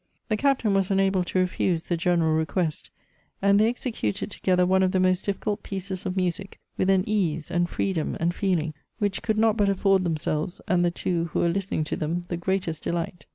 The Captain was unable to refuse the general request, and they executed together one of the most difficult pieces of music with an ease, and freedom, and feeling, which could not but affijrd themselves, and the two who were listening to them, the greatest delight.